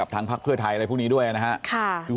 ทางพรรคเพื่อไทยและพวกนี้ด้วยนะครับ